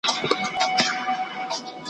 یزید به لکه خلی د زمان بادونه یوسي `